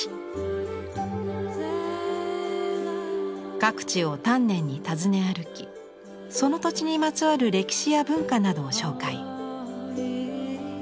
各地を丹念に訪ね歩きその土地にまつわる歴史や文化などを紹介。